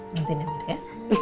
nanti nanti ya